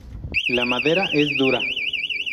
La madera es dura.